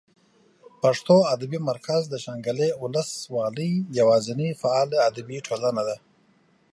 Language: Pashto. پښتو ادبي مرکز د شانګلې اولس والۍ یواځینۍ فعاله ادبي ټولنه ده